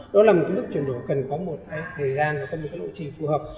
đó là một bước chuyển đổi cần có một thời gian và một lộ trình phù hợp